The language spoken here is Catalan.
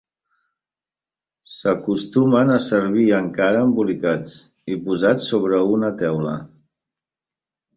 S'acostumen a servir encara embolicats i posats sobre una teula.